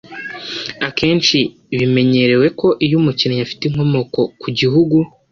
Akenshi bimenyerewe ko iyo umukinnyi afite inkomoko ku gihugu